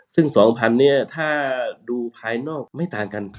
ซึ่ง๒๐๐เนี่ยถ้าดูภายนอกไม่ต่างกัน